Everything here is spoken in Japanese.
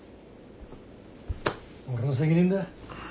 俺の責任だ。